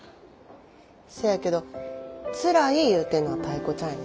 せやけどつらい言うてんのはタイ子ちゃんやで。